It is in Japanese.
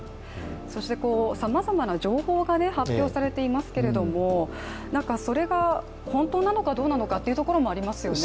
そしてさまざまな情報が発表されていますけれどもそれが本当なのかどうなのかというところもありますよね。